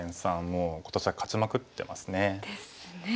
もう今年は勝ちまくってますね。ですね。